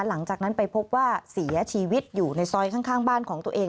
หลังจากนั้นไปพบว่าเสียชีวิตอยู่ในซอยข้างบ้านของตัวเอง